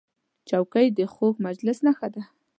چوکۍ د خوږ مجلس نښه ده.